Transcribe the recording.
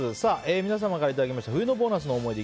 皆様からいただきました冬のボーナスの思い出。